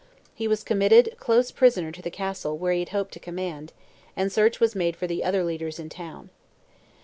He was committed close prisoner to the Castle where he had hoped to command, and search was made for the other leaders in town.